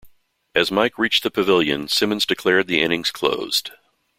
As Mike reached the pavilion, Simmons declared the innings closed.